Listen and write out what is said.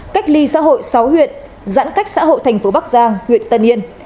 cách ly xã hội sáu huyện giãn cách xã hội tp bắc giang huyện tân yên